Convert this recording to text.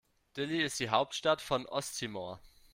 Dili ist die Hauptstadt von Osttimor.